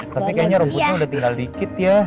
tapi kayaknya rembusnya udah tinggal dikit ya